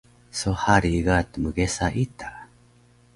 So hari ga tmgesa ita